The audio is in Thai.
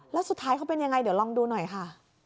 แล้วสุดท้ายเขาเป็นยังไงเดี๋ยวลองดูหน่อยค่ะ